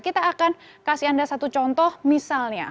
kita akan kasih anda satu contoh misalnya